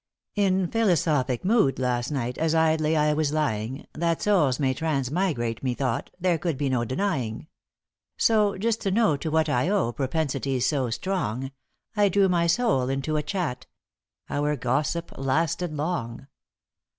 * In philosophic mood last night, as idly I was lying, That souls may transmigrate, methought, there could be no denying; So just to know to what I owe propensities so strong, I drew my soul into a chat our gossip lasted long.